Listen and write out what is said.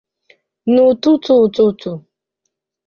n'otu n'otu.